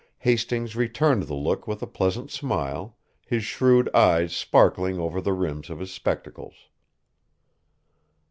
Hastings returned the look with a pleasant smile, his shrewd eyes sparkling over the rims of his spectacles.